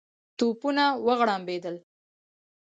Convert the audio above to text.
توپونه وغړمبېدل.